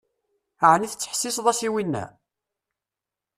Ɛni tettḥessiseḍ-as i winna?